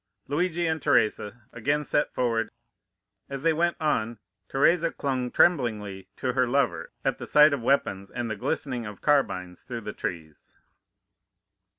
"Luigi and Teresa again set forward; as they went on Teresa clung tremblingly to her lover at the sight of weapons and the glistening of carbines through the trees.